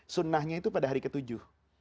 sunnahnya itu pada hari ketujuh